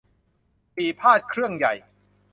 ปี่พาทย์เครื่องใหญ่